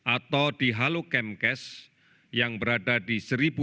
atau di halo camcash yang berada di lima belas ribu lima ratus enam puluh tujuh